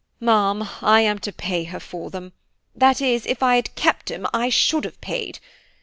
Ma'am, I am to pay her for them–that is, if I had kept them, I should have paid.